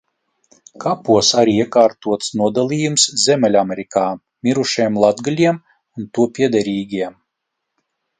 Kapos arī iekārtots nodalījums Ziemeļamerikā mirušiem letgaļiem un to piederīgiem.